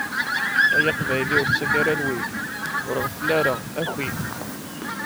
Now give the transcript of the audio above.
Ay Aqbayli ur ttakk ara lwi, ur ɣeffel ara, aki.